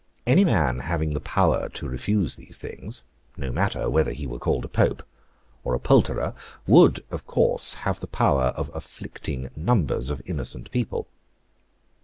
Any man having the power to refuse these things, no matter whether he were called a Pope or a Poulterer, would, of course, have the power of afflicting numbers of innocent people.